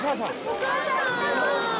お母さん来た。